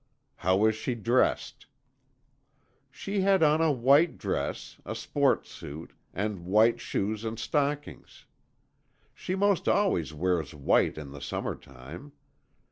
"How was she dressed?" "She had on a white dress, a sports suit, and white shoes and stockings. She most always wears white in the summer time.